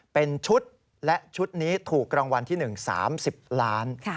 เป็นชุดและชุดนี้ถูกรางวัลที่๑๓๐ล้าน